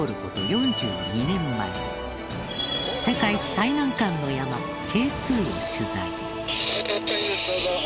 ４２年前世界最難関の山Ｋ２を取材。